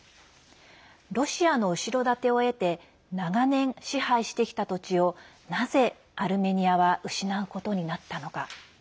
ロシアの後ろ盾を得て長年、支配してきた土地をなぜアルメニアは失うことになったのか。